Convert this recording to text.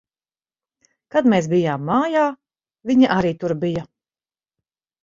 Kad mēs bijām mājā, viņa arī tur bija.